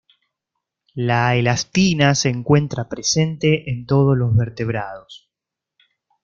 La elastina se encuentra presente en todos los vertebrados.